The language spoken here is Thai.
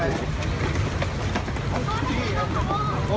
ว่าแล้วว่ากดก่อน